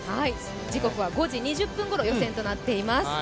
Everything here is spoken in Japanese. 時刻は５時２０分ごろ、予選となっています。